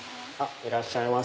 いらっしゃいませ。